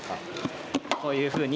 こういうふうに。